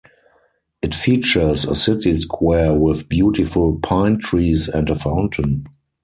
It features a city square with beautiful pine trees and a fountain.